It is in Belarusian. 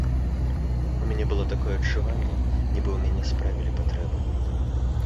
У мяне было такое адчуванне, нібы ў мяне справілі патрэбу.